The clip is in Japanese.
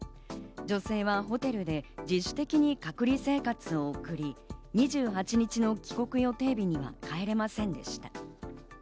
女性はホテルで自主的に隔離生活を送り、２８日の帰国予定日には帰れませんでした。